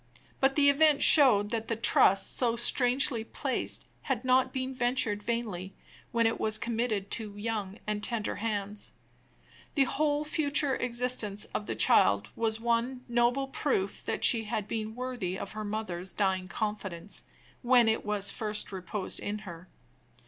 But the event showed that the trust so strangely placed had not been ventured vainly when it was committed to young and tender hands. The whole future existence of the child was one noble proof that she had been worthy of her mother's dying confidence, when it was first reposed in her.